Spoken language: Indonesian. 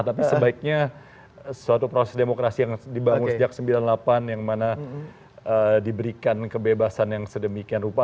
tapi sebaiknya suatu proses demokrasi yang dibangun sejak seribu sembilan ratus sembilan puluh delapan yang mana diberikan kebebasan yang sedemikian rupa